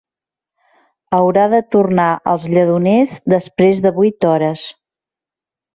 Haurà de tornar als Lledoners després de vuit hores